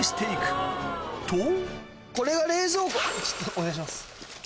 お願いします。